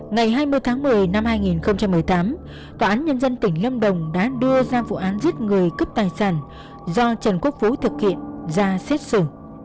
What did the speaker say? ngày hai mươi tháng một mươi năm hai nghìn một mươi tám tòa án nhân dân tỉnh lâm đồng đã đưa ra vụ án giết người cướp tài sản do trần quốc phú thực hiện ra xét xử